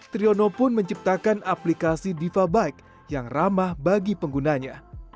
triono pun menciptakan aplikasi diva bike yang ramah bagi penggunanya